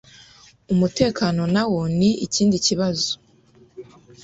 umutekano nawo ni ikindi kibazo.